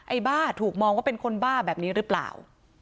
บ้าถูกมองว่าเป็นคนบ้าแบบนี้หรือเปล่า